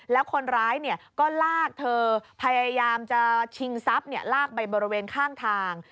แล้วคนร้ายก็ลากเธอพยายามจะชิงทรัพย์ลากไปบริเวณข้างทาง